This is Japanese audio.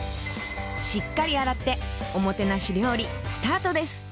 しっかり洗っておもてなし料理スタートです！